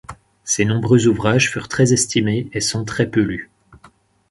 Ses nombreux ouvrages furent très estimés, et sont très peu lus.